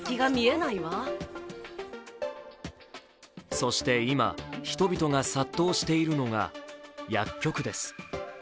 そして今、人々が殺到しているのが薬局です。